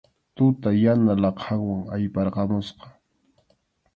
Tuta yana laqhanwan ayparqamusqa.